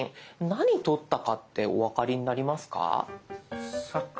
何撮ったかってお分かりになりますか？